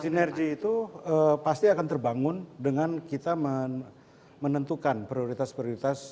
sinergi itu pasti akan terbangun dengan kita menentukan prioritas prioritas